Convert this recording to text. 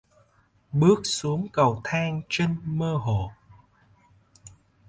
Bước xuống cầu thang Trinh mơ hồ